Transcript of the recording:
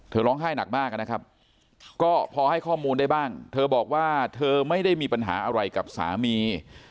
ร้องไห้หนักมากนะครับก็พอให้ข้อมูลได้บ้างเธอบอกว่าเธอไม่ได้มีปัญหาอะไรกับสามี